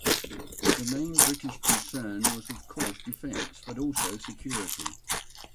The main British concern was of course defence, but also security.